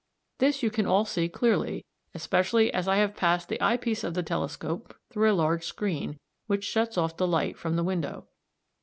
This you can all see clearly, especially as I have passed the eye piece of the telescope through a large screen s, which shuts off the light from the window.